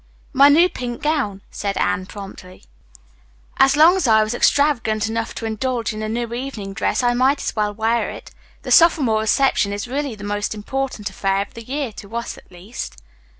"My new pink gown," said Anne promptly. "As long as I was extravagant enough to indulge in a new evening dress I might as well wear it. The sophomore reception is really the most important affair of the year, to us, at least."